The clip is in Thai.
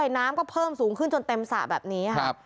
น้ำก็เพิ่มสูงขึ้นจนเต็มสระแบบนี้ครับ